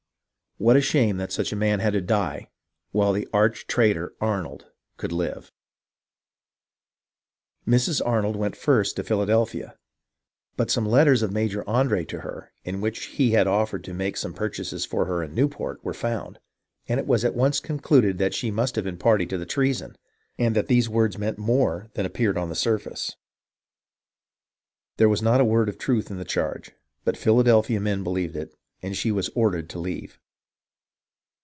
What a shame that such a man had to die while the arch traitor, Arnold, could live ! Mrs. Arnold went first to Philadelphia, but some letters of Major Andre to her, in which he had offered to make some purchases for her in Newport, were found; and it was at once concluded that she must have been a party to the treason, and that these words meant more than appeared upon the surface. There was not a word of truth in the charge, but the Philadelphia men believed it, and she was ordered to leave.